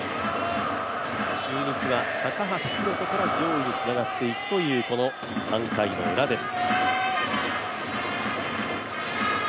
中日は高橋宏斗から上位につながっていくというこの３回のウラです。